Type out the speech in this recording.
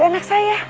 ibu kenal sama laras